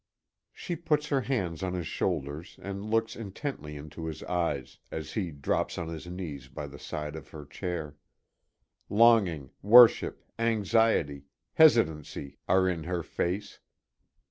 She puts her hands on his shoulders, and looks intently into his eyes, as he drops on his knees by the side of her chair. Longing, worship, anxiety, hesitancy are in her face.